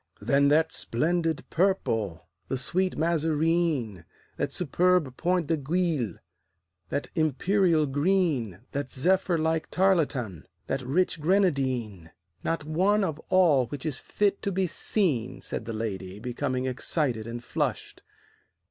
"Then that splendid purple, the sweet Mazarine; That superb point d'aiguille, that imperial green, That zephyr like tarletan, that rich grenadine" "Not one of all which is fit to be seen," Said the lady, becoming excited and flushed.